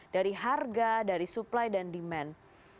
dari harga dari supply dan demand